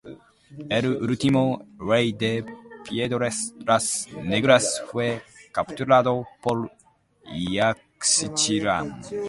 El último rey de Piedras Negras fue capturado por Yaxchilán.